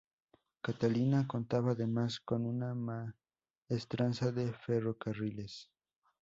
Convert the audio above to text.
Catalina contaba, además, con una maestranza de ferrocarriles.